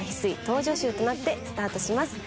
翡翠倒叙集」となってスタートします。